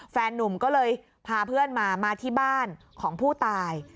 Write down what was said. นุ่มก็เลยพาเพื่อนมามาที่บ้านของผู้ตาย